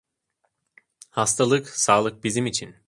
Hastalık sağlık bizim için.